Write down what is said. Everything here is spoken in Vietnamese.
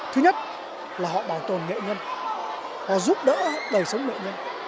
thứ nhất là họ bảo tồn nghệ nhân giúp đỡ đời sống nghệ nhân